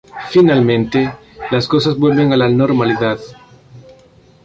Finalmente, las cosas vuelven a la normalidad.